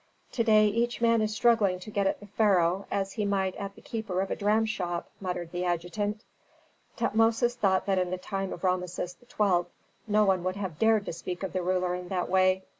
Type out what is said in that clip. "To day each man is struggling to get at the pharaoh, as he might at the keeper of a dramshop," muttered the adjutant. Tutmosis thought that in the time of Rameses XII. no one would have dared to speak of the ruler in that way.